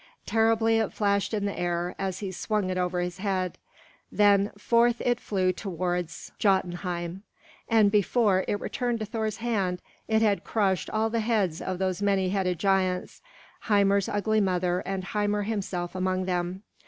Terribly it flashed in the air as he swung it over his head; then forth it flew towards Jotunheim; and before it returned to Thor's hand it had crushed all the heads of those many headed giants, Hymir's ugly mother and Hymir himself among them.